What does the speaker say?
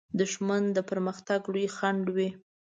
دښمن د پرمختګ لوی خنډ وي